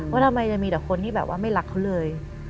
ว่าทำไมจะมีแต่คนที่แบบว่าไม่รักเขาเลย